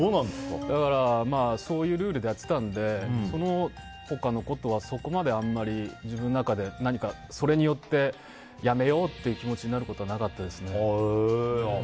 だから、そういうルールでやっていたのでその他のことは、そこまであまり自分の中で、それによってやめようっていう気持ちになることはなかったですね。